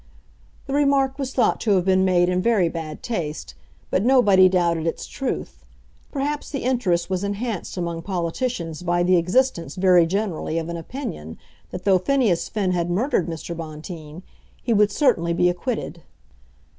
The remark was thought to have been made in very bad taste, but nobody doubted its truth. Perhaps the interest was enhanced among politicians by the existence very generally of an opinion that though Phineas Finn had murdered Mr. Bonteen, he would certainly be acquitted.